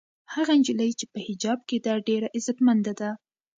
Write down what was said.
هغه نجلۍ چې په حجاب کې ده ډېره عزتمنده ده.